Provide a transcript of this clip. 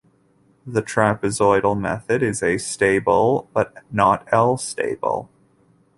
The trapezoidal method is A-stable but not L-stable.